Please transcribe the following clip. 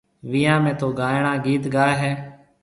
وِيهان ۾ تو گائڻا گِيت گائي هيَ۔